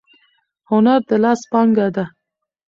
هنر د لاس پانګه ده.